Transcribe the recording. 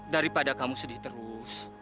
daripada kamu sedih terus